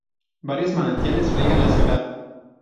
Varios manantiales riegan la ciudad.